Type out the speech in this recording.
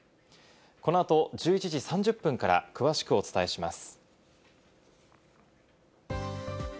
この後１１時３０分から詳しくお伝えします。